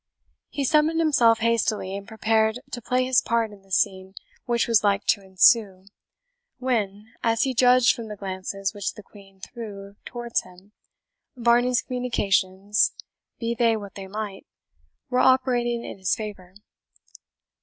He summoned himself hastily, and prepared to play his part in the scene which was like to ensue, when, as he judged from the glances which the Queen threw towards him, Varney's communications, be they what they might, were operating in his favour.